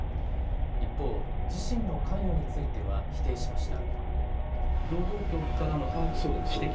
一方、自身の関与については否定しました。